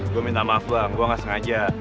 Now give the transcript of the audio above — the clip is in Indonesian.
gue minta maaf bang gue gak sengaja